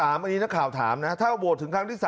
อันนี้นักข่าวถามนะถ้าโหวตถึงครั้งที่๓